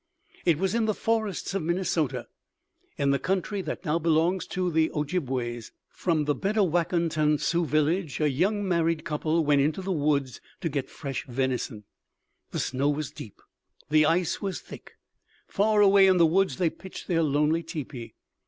"It was in the forests of Minnesota, in the country that now belongs to the Ojibways. From the Bedawakanton Sioux village a young married couple went into the woods to get fresh venison. The snow was deep; the ice was thick. Far away in the woods they pitched their lonely teepee.